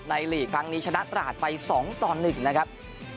หลีกครั้งนี้ชนะตราดไป๒ต่อ๑นะครับ